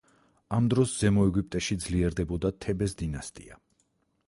ამ დროს ზემო ეგვიპტეში ძლიერდებოდა თებეს დინასტია.